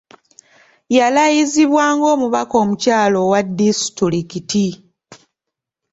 Yalayizibwa ng'omubaka omukyala owa disitulikiti.